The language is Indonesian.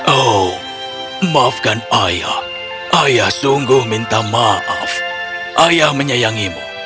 oh maafkan ayah ayah sungguh minta maaf ayah menyayangimu